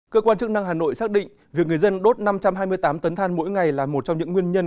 cơ quan chức năng hà nội xác định việc người dân đốt năm trăm hai mươi tám tấn than mỗi ngày là một trong những nguyên nhân